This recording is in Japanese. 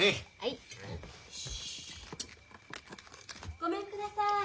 ・ごめんください。